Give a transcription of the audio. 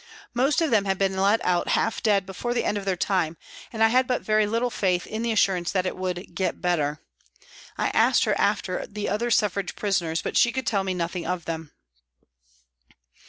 Most of them had been let out half dead before the end of their time, and I had but very little faith in the assurance that it would " get better." I asked her after the other Suffrage prisoners, but she could tell me nothing of them.